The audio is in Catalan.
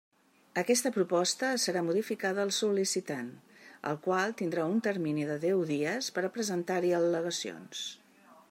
Aquesta proposta serà notificada al sol·licitant, el qual tindrà un termini de deu dies per a presentar-hi al·legacions.